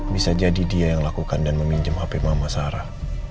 bisa jadi dia yang lakukan dan meminjam hp mama sarah